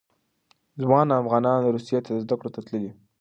ځوان افغانان روسیې ته زده کړو ته تللي.